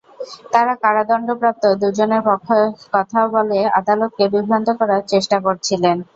তাঁরা কারাদণ্ডপ্রাপ্ত দুজনের পক্ষে কথা বলে আদালতকে বিভ্রান্ত করার চেষ্টা করছিলেন।